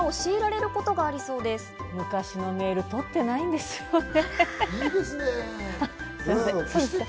昔のメール、とってないんですよね。